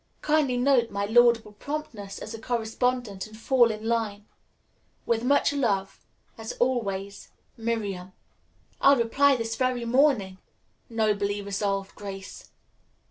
Kindly note my laudable promptness as a correspondent and fall in line. With much love, "As always, "MIRIAM." "I'll reply this very morning," nobly resolved Grace.